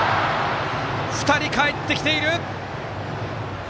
２人かえってきている！